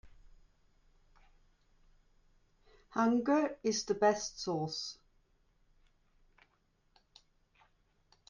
Hunger is the best sauce.